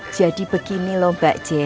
jadi begini loh mbak jen